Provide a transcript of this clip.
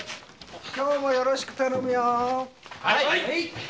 今日もよろしく頼むよ。